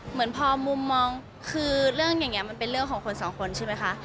เหมือนพอมุมมองคือเรื่องอย่างนี้มันเป็นเรื่องของคนสองคนใช่ไหมคะ